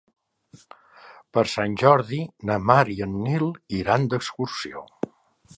Per Sant Jordi na Mar i en Nil iran d'excursió.